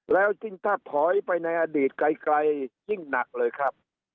แล้วยิ่งถ้าถอยไปในอดีตไกลยิ่งหนักเลยครับ